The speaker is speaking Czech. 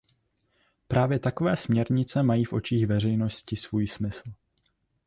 Právě takové směrnice mají v očích veřejnosti svůj smysl.